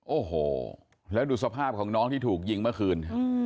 โอ้โหแล้วดูสภาพของน้องที่ถูกยิงเมื่อคืน